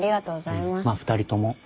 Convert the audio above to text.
まぁ２人とも。